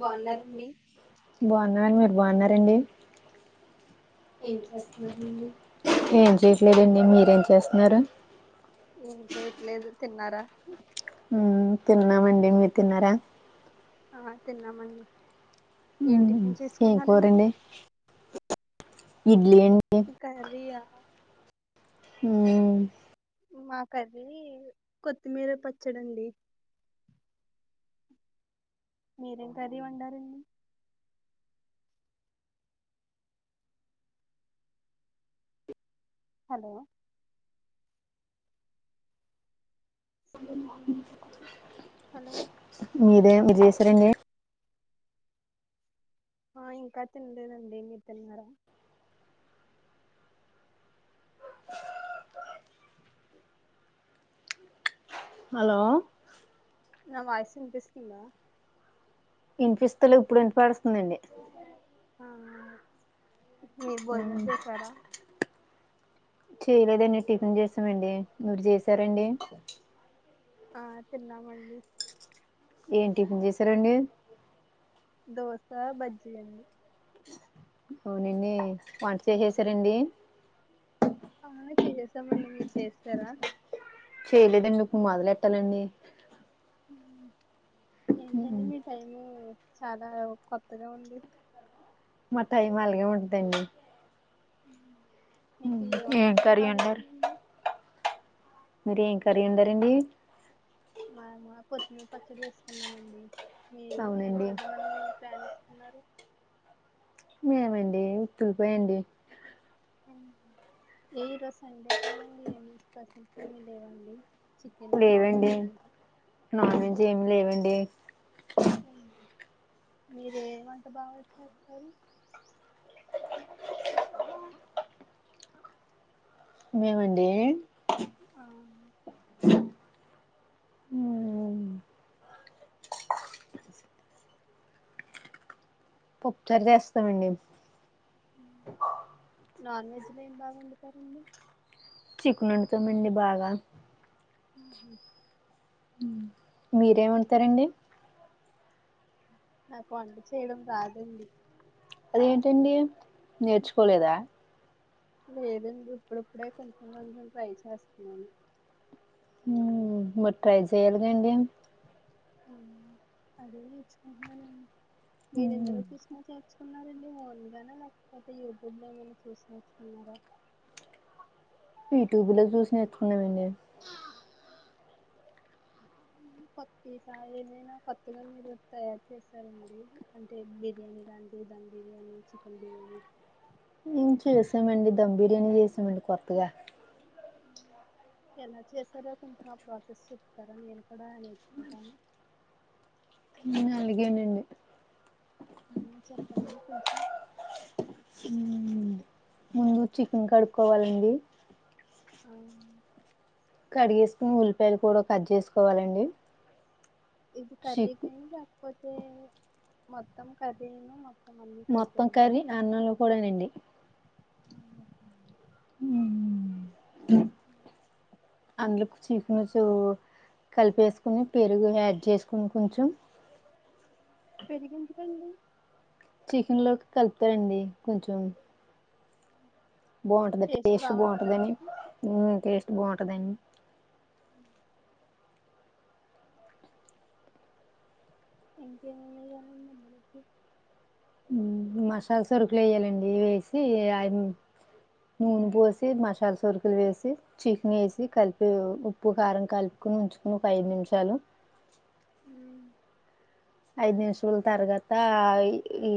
బాగున్నారా బాగున్నారండి అండీ మీరు బాగు న్నారండి ఏం చేస్తున్నారండి ఏం చేయట్లేదండి మీరేం చేస్ మీరు ఏం చేయట్లేదు తిన్నారా ఉ తిన్నామండి మీరు తిన్నారా ఆ తిన్నా మన్ ఏం మ్మ్ టిఫిన్ ఏం చేసుకున్నారండి కూరండి ఏం ఈ కర్రీయా ఊ మా కర్రీ కొత్తిమీర పచ్చడండి మీరేం కర్రీ వండారండి హలో హలో మీదే మీరు చేశారండి ఆ ఇంకా తినలేదండి మీరు తిన్నారా హలో నా వాయిస్ వినిపిస్తుందా ఇనిపిస్తలేవ్ ఇప్పుడు ఇనపడుతుందండి. ఆ మీరు భోజనం మ్మ్ చేసారా చేయలేదండి టిఫిన్ చేసామండి మీరు చేసారా అండి ఆ తిన్నామండి ఏం టిఫిన్ చేసారండి దోసా బజ్జి అండి అవునండి వంట చేసేసారా అండి చేస్తామండి మీరు చేస్తరా చేయలేదండి ఇప్పుడు మొదలెట్టాలండి ఏంటండి మ్మ్ మీ టైమింగు చాలా కొత్తగా ఉంది మా టైమ్ అలగే ఉంటాయండి మీకు ఏ ఏం వంటంటే కర్రీ బాగ వండారు ఇష్టమండీ మీరు ఏం కర్రీ వండారండి మేము పచ్చడి చేసుకున్నామండి మీరు ఏం అవునండి చేద్దామని మీ ప్లాన్ ఉన్నారు మేమండి తుపేయండి ఏ ఈరోజు సండే కదండి ఏమి స్పెషల్స్ ఏమీ లేవా అండి లేవండి నాన్ వెజ్ ఏమి లేవండి మీరు ఏం వంట బాగా చేస్తారు. మేమండీ ఆ మ్మ్ పప్పుచారు చేస్తామండి నాన్ వెజ్లో ఏం బాగా వండుతారండి చికెన్ వండుతామండి బాగా ఉ మీరేం వండుతారండి నాకు వంట చేయడం రాదండి అదేంటండి నేర్చుకోలేదా లేదండి ఇప్పుడిప్పుడే కొంచెం కొంచెం ట్రై చేస్తున్నాను హుమ్ మరి ట్రై చేయాలిగా అండి ఆ అదే నేర్చుకుంటున్నానండి మీరెందులో [unintelligible] ఎలా నేర్చుకున్నారండి ఓన్గానా లేకపోతే యూట్యూబ్ లో ఏమైనా చూసి నేర్చుకున్నారా యూట్యూబ్ లో చూసి నేర్చుకున్నానండీ ఈసారి ఏమైనా కొత్తగా మీరు తయారు చేసారా అండి అంటే బిర్యానీ లాంటి ధమ్ బిర్యానీ చికెన్ బిర్యానీ మ్ చేసామండి ధమ్ బిర్యానీ చేసాం డి కొత్తగా ఎలా చేశారో కొంచెం ఆ ప్రాసెస్ చెప్తారా నేను కూడా నేర్చుకుంటాను ఉ అలాగే నండి ఆ చెప్పండి కొంచెం మ్మ్ ముందు చికెన్ కడుక్కోవాలండి అవున్ కడిగేసుకుని ఉల్లిపాయలు కూడా కట్ చేసుకోవాలండి ఇది కర్రీ చిక్ క పోతే మొత్తం కర్రిను మొత్తం అన్ని మొత్తం కలిపేనండి కర్రీ అన్నంలో కూడానండి ఉ అందులో చికెను చూ కలిపేసుకుని పెరుగు యాడ్ చేసుకుని కొంచెం పెరుగు ఎందుకండి చికెన్ లోకి కలుపుతారండి కొంచెం బావుంటదని టేస్ట్ బావుంటదని ఉ టేస్ట్ బావుంటదని ఇంకా ఏమేమ్ వేయాలి ఇల్లా [inaudible] మసాలా సరుకులు వేయాలండి వేసి నూనె పోసి మసాలా సరుకులు వేసి చికెన్ వేసి కలిపి ఉప్పు కారం కలుపుకొని ఉంచుకుని ఒక ఐదు నిమిషాలు హ ఐదు నిమిషాల తరువాత ఈ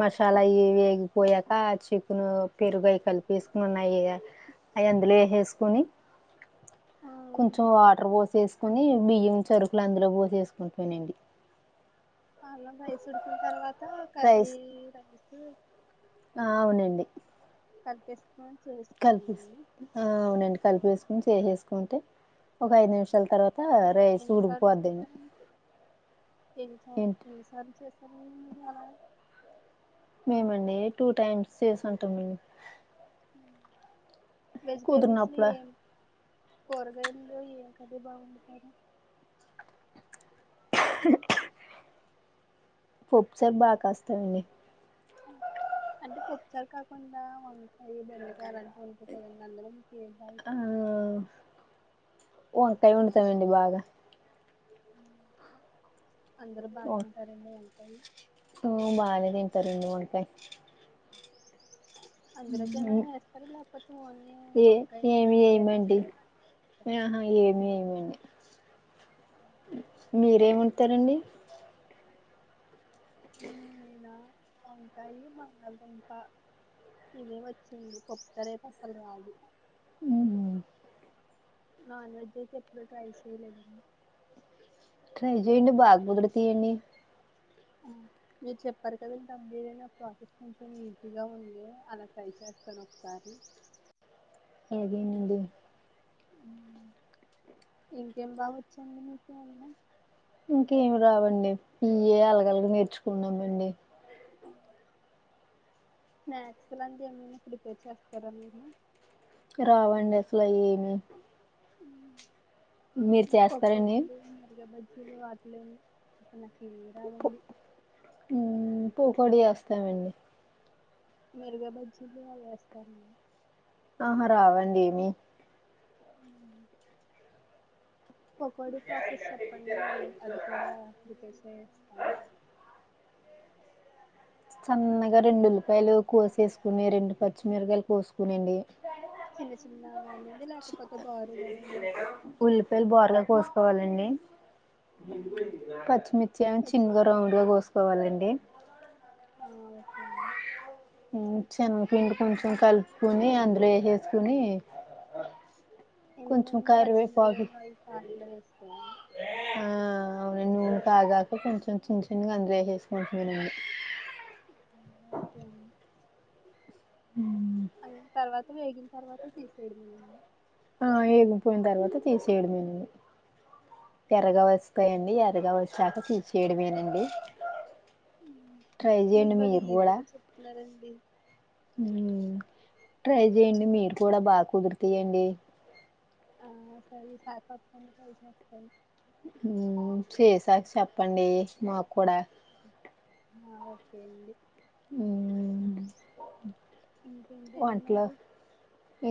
మసాలా వేగిపోయాక చికెను పెరుగు అయి కలిపి వేసుకుని ఉన్నాయి అవి అందులో వేసేసుకొని కొంచెం వాటర్ పోసేసుకుని బియ్యం సరుకులు అందులో పోసెసుకోవటమేనండి ఆ అన్నం రైసు ఉడికిన తర్వాత కర్రీ రైస్ ఆ అవునండి కలిపేసుకొని చేసుకోవడమే కలిపి అండి ఆ అవునండి కలిపి వేసుకోని చేసేసుకుంటే ఒక ఐదు నిమిషం మళ్ళీ తర్వాత మీరు రైస్ ఎన్నిసార్లు ఉడికిపోద్ధి ని చేశారండి ఎన్నిసార్లు చేశారు మీరు అలా మేముండి టూ టైమ్స్ చేసుంటమన్ వెజిటేబుల్స్ని కుదిరినప్పుడు ఏం కూరగాయల్లో ఏం కర్రీ బాగా వండుతారు పప్పుచారు బాగా కాస్తానండి అంటే పప్పుచారు కాకుండా వంకాయ బెండకాయ అలాంటివి వందుకుంటారా అందరూ ఆ వంకాయ్ వండుతానండి అండి బాగా అందరు బాగా తింటారండి వ కాయి ఆ బాగానే తింటారండి వంకాయ అందులోకేమైనా మేస్తార లే ఏ ఏమి ఎగ్స్ ఎయమండి ఆహా ఏమి ఎయమండి మీరేమొండుతారండి ఓకే వంకాయి బంగళగుంప ఇవే వచ్చండి పప్పుచారు అయితే అసలు రాదు అఓ నాన్ వెజ్ అయితే ఎప్పుడూ ట్రై చేయలేదండి ట్రై చేయండి బా కుదురుతాయండి మీరు చెప్పారు కదండి అప్లీదయినా ప్రాసెస్ కొంచెం ఈజీగా ఉంది అలా ట్రై చేస్తాను ఒకసారి అదేనండి ఇంకేం బాగా వచ్చండి మీకు వండడం ఇంకేమి రావండి ఇయ్యి చెయ్యాలి కదా ఇవే నేర్చుకున్నానండి అ స్నాక్స్ లాంటివి ఏమైనా ప్రిపేర్ చేస్తారా మీరు రావండి అసలు ఏమి మీరు పకోడి చేస్తారండి మిరపకాయ బజ్జి వట్లే ఏంరావండి పొడి చెస్తామండి మిరపకాయ బజ్జీలు అవి వేస్తానండి ఆహా రావండి ఏమి పోకోడి ప్రాసెస్ చెప్పండి నేను అది కూడా ప్రిపేర్ చేస్తాను సన్నగా రెండు ఉల్లిపాయలు కోసేసుకుని రెండు పచ్చిమిరకాయలు కోసుకునిండి చిన్న చిన్న కానిది లేకపోతే బారుగానండి కోవాలండి పచ్చిమిర్చి చిన్నగా పచ్చిమిరప రౌండ్ గా కోసుకోవాలండి ఆ ఓకే అండి శనగపిండి కొంచెం కలుపుకొని అందులో వసేసుకొని, ఎంతమంది పచ్చిమిరకాయలు ఆయిల్ కాటలు వేసుకోవాలి, అవు నూనె కాగాక కొంచెం చిన్న చిన్నగా అందులో వేసేసుకోవాలి, [unintelligible] అ తర్వాత వేగిన తర్వాత తీసేయడమే, ఆ ఎగిపోయిన తర్వాత తీసేయడమేనండి ఎర్రగా వస్తయండి ఎర్రగా వచ్చాక తీచేయడంమేనండి ట్రై చేయండి మీరు కూడా, అండి హు ట్రై చెయండి మీరు కూడా బాగా కుదురితాయి అండి, ఆ సరే ఈసారి కచ్చితంగా ట్రై చేస్తానండి, చేసాక చెప్పండి మాకు కూడా, హ ఓకే అండి, హు ఇంకేంటండి ఒంటలో మరి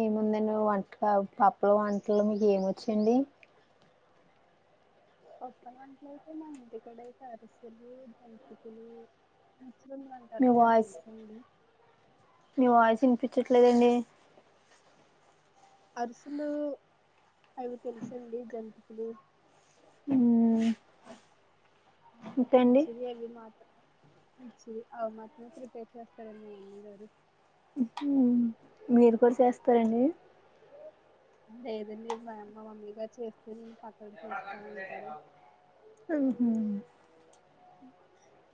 ఏముందేను వంట ఆ పప్పుల వంటలు మీకు ఏమొచ్చండి, పప్పులు వంటలు అయితే మా ఇంటి కాడ అయితే అరిసెలు జంతికలు, సున్నుండలు అంటారు మీ కదా వాయిస్ తెలుసా అండి, మీ వాయిస్ వినిపించట్లేదండి, అరిసెలు అయో తెలుసండి జంతికలు, లు ఊ హు మెచ్యూర్అవి మాత్రం, పిచ్చిది అవి మాత్రం ప్రిపేర్ చేస్తారే మా మమ్మీ గారు ఉహు మీరు కూడా చేస్తారండి, లేదండి మా అమ్మ మమ్మీ గారు చేస్తూ నే ఉహు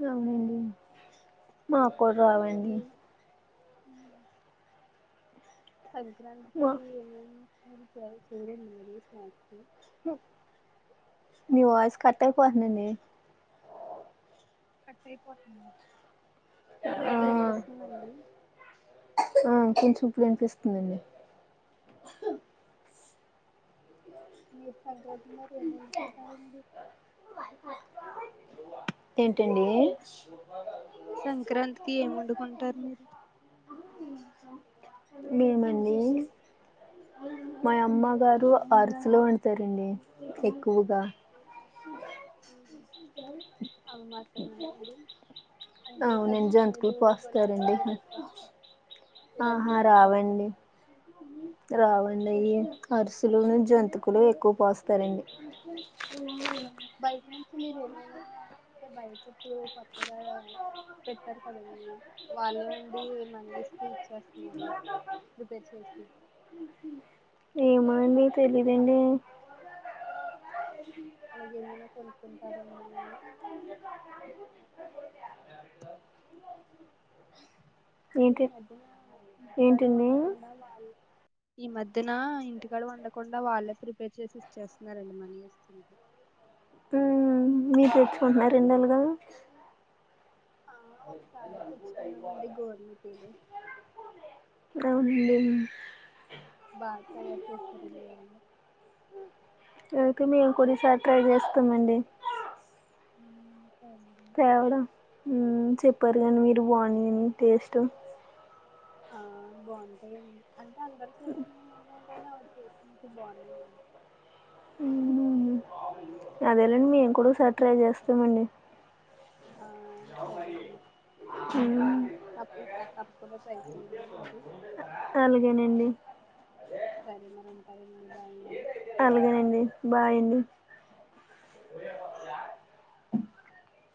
అవునండి మా కూడా రావండి హు సంక్రాంతి మా కి ఆ సరే సరే చేరండి మరి షాప్ కు, మీ వాయిస్ కట్ అయిపోతుంది అండి కట్ అయిపోతుందా ఆ ఇప్పుడు వినిపిస్తుందండి ఆ కొంచెం ఇప్పుడు వినిపిస్తుందండి మీరు సంక్రాంతి మరి ఏం వండుకుంటారండి ఏంటండి సంక్రాంతికి ఏం వండుకుంటారు మీరు మేమండి మా అమ్మ గారు అరుస్లో వండుతారండి ఎక్కువ [unintelligible] అవి మాత్రమే అండి అంటే అవునండి జంతుకులు కజ్జికాయలు పోస్తారండి గులాబీలు అలా చేస్తాం ఆహా రావండి రావండయి అరిసెలు ను జంతికులు ఎక్కువ పోస్తారండి బయట నుంచి మీరు ఏమైనా అంటే బయటిప్పుడు కొత్తగా పెట్టారు కదండీ వాళ్ళే ఉండి మనీ ఇస్తే ఇచ్చేస్తున్నారు ప్రిపేర్ చేసి ఏమో అండి అలా తెలీదండి [unintelligible] అలాగేమైనా కొనుక్కుంటారా అండి అంటే ఈ ఏంటి మధ్యన ఇంటికాడ ఏంటండి వండకుండా వాళ్ళు ఈ మధ్యన ఇంటికాడ వండకుండా వాళ్ళే ప్రిపేర్ చేసి ఇచ్చేస్తున్నారు అండి మనీ ఇస్తుంటే ఉమ్ మీరు తెచ్చుకుంటున్నారా అండలాగ ఆ ఒకసారి తెచ్చుకున్నామండి గోరుమిటీలు అవును [unintelligible] బా తయారు చేస్తారుండి వాళ్ళు అయితే మేము కూడా ఈసారి ట్రై చేస్తామండి హ్మ్ సరే అండి తేవడం చెప్పారు కానీ మీరు బావు [unintelligible] టేస్ట్ ఆ బావుంటాయండి అంటే అందరు చేసినయేనా నా చేసింటే బాగున్నా [inaudible] అదేలేండి మేం కూడో సారి ట్రై చేస్తామండి ఆ సరే అండి సరే అ తప్పు తప్పకుండా ట్రై చేయండి మరి అలాగేనండి సరే మరి సరే అండి బా అలాగేనండి బాయ్ అండి